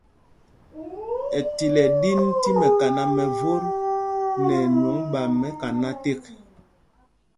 Ɛtil ɛ ɗin tí mɛkaná mɛ vot nɛ ɛnwɔŋ ɓa mɛkaná tēk.